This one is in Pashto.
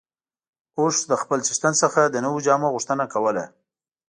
اوښ له خپل څښتن څخه د نويو جامو غوښتنه کوله.